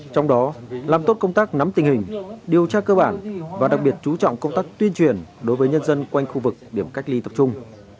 trong đó làm tốt công tác nắm tình hình điều tra cơ bản và đặc biệt chú trọng công tác tuyên truyền đối với nhân dân quanh khu vực điểm cách ly tập trung